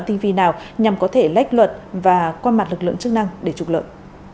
tinh vi nào nhằm có thể lách luật và qua mặt lực lượng chức năng để trục lợi